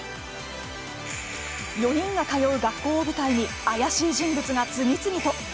４人が通う学校を舞台に怪しい人物が次々と。